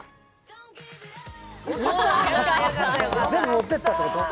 全部持ってったこと？